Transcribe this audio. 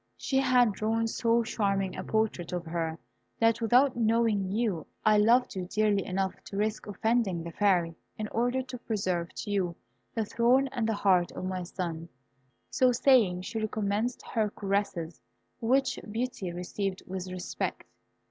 She had drawn so charming a portrait of her, that without knowing you, I loved you dearly enough to risk offending the Fairy, in order to preserve to you the throne and the heart of my son." So saying, she recommenced her caresses, which Beauty received with respect.